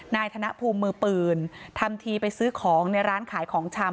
ธนภูมิมือปืนทำทีไปซื้อของในร้านขายของชำ